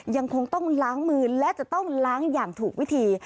ยังคงต้องล้างมือและจะต้องล้างอย่างถูกวิธี